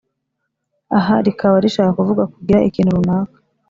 aha rikaba rishaka kuvuga kugira ikintu runaka